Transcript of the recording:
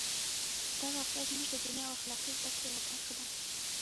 دا واقعه زموږ د دیني او اخلاقي زده کړو یوه برخه ده.